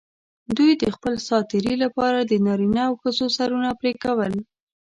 دوی د خپل سات تېري لپاره د نارینه او ښځو سرونه پرې کول.